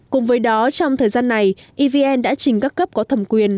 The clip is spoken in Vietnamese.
cùng với đó trong thời gian này evn đã trình các cấp có thẩm quyền